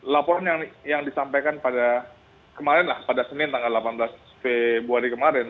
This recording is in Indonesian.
laporan yang disampaikan pada kemarin lah pada senin tanggal delapan belas februari kemarin